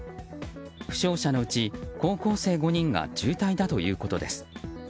負傷者のうち高校生５人が重体だということです。